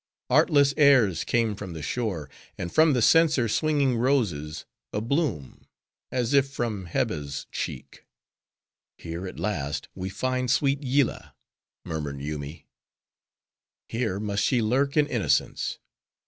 Artless airs came from the shore; and from the censer swinging roses, a bloom, as if from Hebe's cheek. "Here, at last, we find sweet Yillah!" murmured Yoomy. "Here must she lurk in innocence!